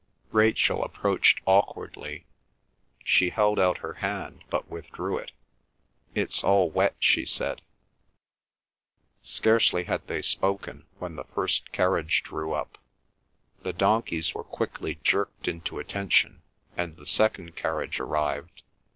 Rachel approached awkwardly. She held out her hand, but withdrew it. "It's all wet," she said. Scarcely had they spoken, when the first carriage drew up. The donkeys were quickly jerked into attention, and the second carriage arrived.